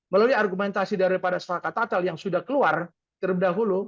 melalui argumentasi daripada sarka tatal yang sudah keluar terlebih dahulu